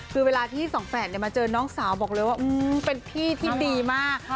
คือเวลาที่สองแฝดมาเจอน้องสาวบอกเลยว่าเป็นพี่ที่ดีมาก